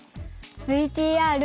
ＶＴＲ。